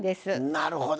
なるほど。